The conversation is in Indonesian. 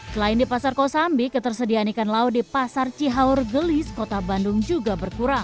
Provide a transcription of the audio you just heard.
selain di pasar kosambi ketersediaan ikan laut di pasar cihaur gelis kota bandung juga berkurang